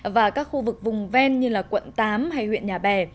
và các khu vực vùng ven như quận tám hay huyện nhà bè